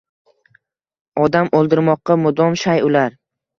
Odam oʻldirmoqqa mudom shay ular